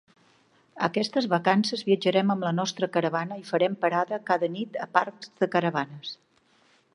Aquestes vacances viatjarem amb la nostra caravana i farem parada cada nit a parcs de caravanes.